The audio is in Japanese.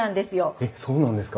えっそうなんですか？